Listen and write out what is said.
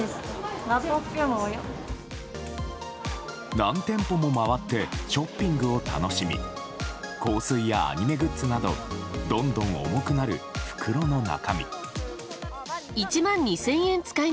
何店舗も回ってショッピングを楽しみ香水やアニメグッズなどどんどん重くなる袋の中身。